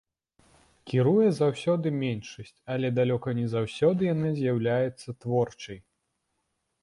Кіруе заўсёды меншасць, але далёка не заўсёды яна з'яўляецца творчай.